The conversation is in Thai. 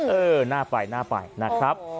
เออน่าไปนะครับ